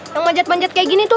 yang majat manjat kayak gini tuh